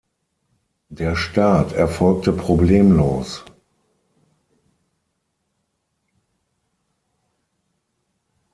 Der Start erfolgte problemlos.